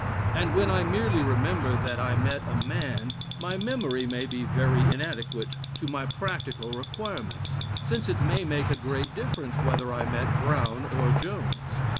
And when I merely remember that I met a man, my memory may be very inadequate to my practical requirements, since it may make a great difference whether I met Brown or Jones.